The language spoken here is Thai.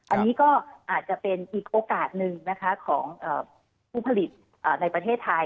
อันนี้ก็อาจจะเป็นอีกโอกาสหนึ่งนะคะของผู้ผลิตในประเทศไทย